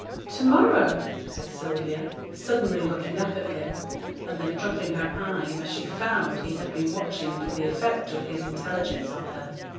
'To morrow!' said Sylvia, suddenly looking up at him, and then dropping her eyes, as she found he had been watching for the effect of his intelligence on her.